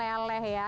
harus meleleh ya